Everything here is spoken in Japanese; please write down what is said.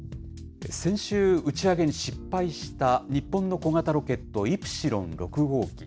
先週、打ち上げに失敗した日本の小型ロケット、イプシロン６号機。